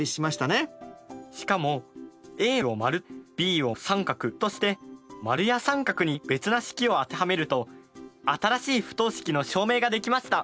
しかもａを〇ｂを△として〇や△に別な式を当てはめると新しい不等式の証明ができました。